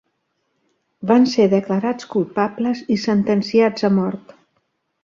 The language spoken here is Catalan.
Van ser declarats culpables i sentenciats a mort.